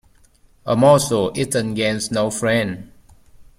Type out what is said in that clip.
A morsel eaten gains no friend.